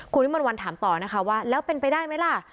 คุณวิมนต์วันถามต่อนะคะว่าแล้วเป็นไปได้ไหมล่ะ